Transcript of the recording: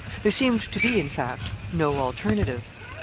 There seemed to be, in fact, no alternative.